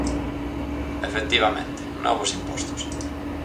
Efectivamente, novos impostos.